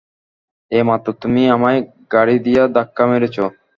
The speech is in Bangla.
এইমাত্র তুমি আমায় গাড়ি দিয়ে ধাক্কা মেরেছো!